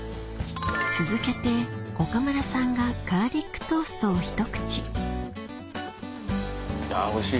続けて岡村さんがガーリックトーストをひと口おいしい！